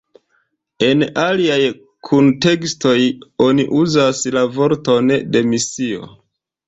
En aliaj kuntekstoj oni uzas la vorton "demisio".